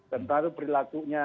tentang itu perilakunya